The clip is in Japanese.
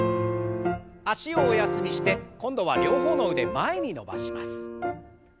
脚をお休みして今度は両方の腕前に伸ばします。